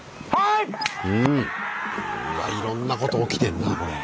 いろんなこと起きてんなこれ。